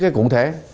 thì cũng thế